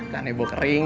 kan nebo kering